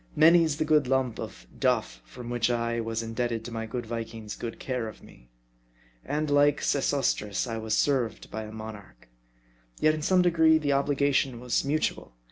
Many's the good lump of " duff" for which I was indebted J;o my good Viking's good care of me. And like Sesostris I was served by a monarch. Yet in some degree the obliga tion was mutual.